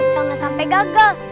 jangan sampai gagal